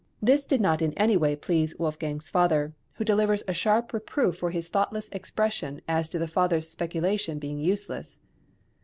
This did not in any way please Wolfgang's father, who delivers a sharp reproof for his thoughtless expression as to the father's speculation being useless.